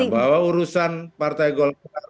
bahwa urusan partai golkar